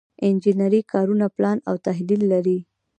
انجنري کارونه پلان او تحلیل لري.